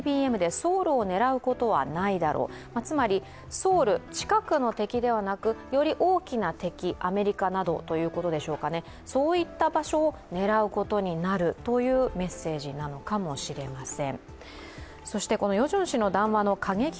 ソウル、近くの敵ではなく、より大きな敵、アメリカなどということでしょうかね、そういった場所を狙うことになるというメッセージなのかもしれません。